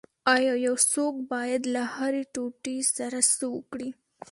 ایا یو څوک باید له هرې ټوټې سره څه وکړي